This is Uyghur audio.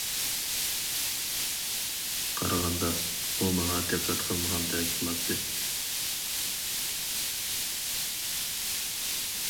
قارىغاندا ئۇ ماڭا دىققەت قىلمىغاندەك قىلاتتى.